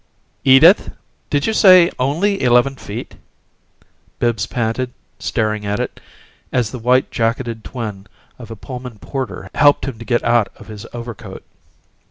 "Edith, did you say only eleven feet?" Bibbs panted, staring at it, as the white jacketed twin of a Pullman porter helped him to get out of his overcoat.